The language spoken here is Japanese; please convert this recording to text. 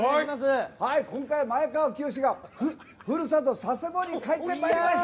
今回、前川清がふるさと佐世保に帰ってまいりました。